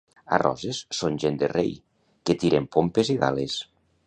A Roses són gent de rei, que tiren pompes i gales.